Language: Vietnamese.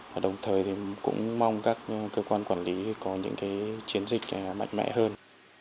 và đồng thời thì cũng mong các cơ quan quản lý có những chiến dịch mạnh mẽ hơn